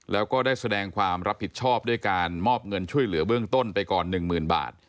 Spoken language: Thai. แล้วก็ได้แสดงความรับผิดชอบด้วยการมอบเงินช่วยเหลือเบื้องต้นไปก่อน๑๐๐๐บาท